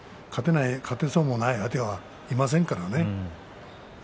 勝てそうもない相手はいませんからね。